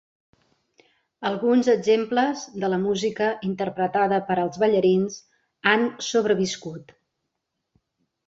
Alguns exemples de la música interpretada per als ballarins han sobreviscut.